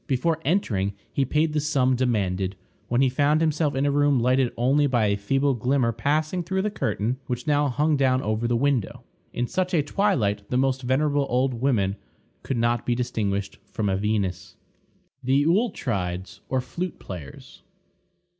Before entering he paid the sum demanded, when he found himself in a room lighted only by a feeble glimmer passing through the curtain, which now hung down over the window. In such a twilight the most venerable old woman could not be distinguished from a Venus. THE AULETRIDES, OR FLUTE PLAYERS.